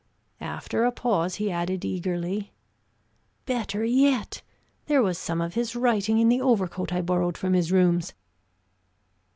After a pause, he added eagerly, "Better yet! there was some of his writing in the overcoat I borrowed from his rooms."